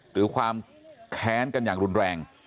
หรือความแค้นกันอย่างรุนแรง